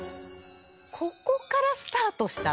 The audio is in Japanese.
ここからスタートした。